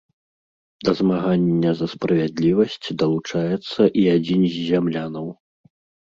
Да змагання за справядлівасць далучаецца і адзін з зямлянаў.